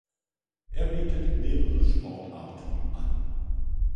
Er bietet mehrere Sportarten an.